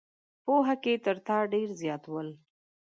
پوهه کې تر تا ډېر زیات ول.